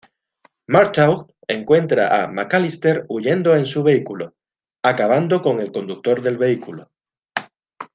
Murtaugh encuentra a McAllister huyendo en su vehículo, acabando con el conductor del vehículo.